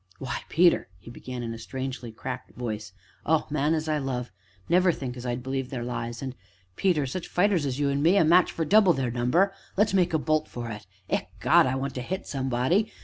"Why, Peter " he began, in a strangely cracked voice, "oh! man as I love! never think as I'd believe their lies, an' Peter such fighters as you an' me! a match for double their number let's make a bolt for it ecod! I want to hit somebody.